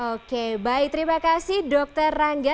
oke baik terima kasih dokter rangga